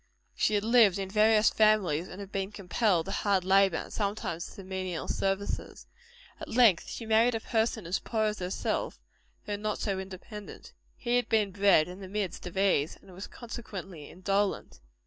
She had lived in various families, and had been compelled to hard labor, and sometimes to menial services. At length she married a person as poor as herself, though not so independent. He had been bred in the midst of ease; and was, consequently, indolent.